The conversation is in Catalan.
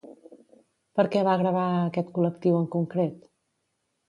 Per què va gravar a aquest col·lectiu en concret?